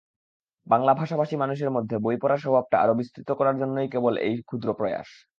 বাংলা ভাষাভাষী মানুষের মধ্যে বইপড়া স্বভাবটা আরো বিস্তৃত করার জন্যই কেবল এই ক্ষুদ্র প্রয়াস।